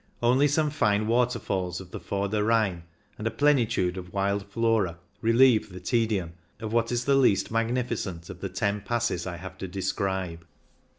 Only some fine waterfalls of the Vorder Rhein and a plenitude of wild flora relieve the tedium of what is the least magnificent of the ten passes I have to describe.